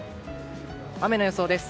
雨の予想です。